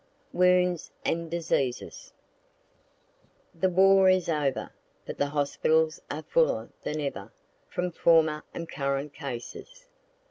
WOUNDS AND DISEASES The war is over, but the hospitals are fuller than ever, from former and current cases.